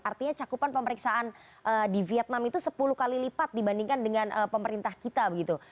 artinya cakupan pemeriksaan di vietnam itu sepuluh kali lipat dibandingkan dengan pemerintah kita begitu